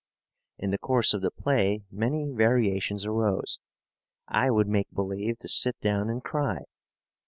In the course of the play many variations arose. I would make believe to sit down and cry.